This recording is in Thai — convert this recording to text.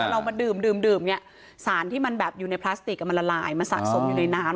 เรามาดื่มเนี่ยสารที่มันแบบอยู่ในพลาสติกมันละลายมันสะสมอยู่ในน้ำ